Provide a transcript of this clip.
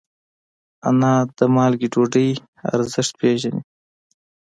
انا د مالګې ډوډۍ ارزښت پېژني